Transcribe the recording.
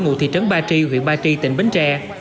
ngụ thị trấn ba tri huyện ba tri tỉnh bến tre